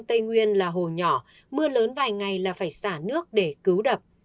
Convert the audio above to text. tây nguyên là hồ nhỏ mưa lớn vài ngày là phải xả nước để cứu đập